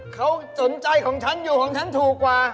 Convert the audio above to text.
เขาสนใจของฉันอยู่ของฉันถูกกว่า